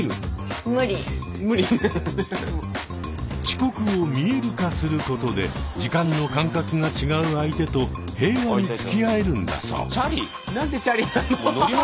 遅刻を見える化することで時間の感覚が違う相手と平和につきあえるんだそう。